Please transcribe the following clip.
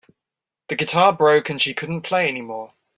The guitar broke and she couldn't play anymore.